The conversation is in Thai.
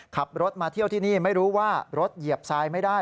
ขับรถมาเที่ยวที่นี่ไม่รู้ว่ารถเหยียบทรายไม่ได้